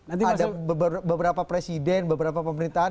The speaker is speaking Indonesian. ada beberapa presiden beberapa pemerintahan